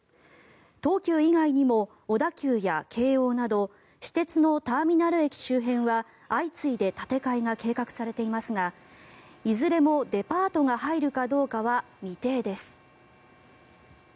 東急以外にも小田急や京王など私鉄のターミナル駅周辺は相次いで建て替えが計画されていますがいずれもデパートが入るかどうかは未定です。